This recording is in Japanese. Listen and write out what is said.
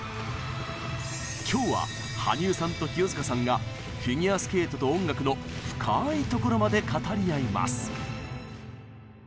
今日は羽生さんと清塚さんが「フィギュアスケートと音楽」の深いところまで語り合います。